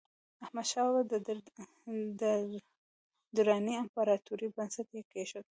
احمدشاه بابا د دراني امپراتورۍ بنسټ یې کېښود.